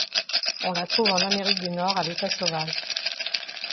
On la trouve en Amérique du Nord à l'état sauvage.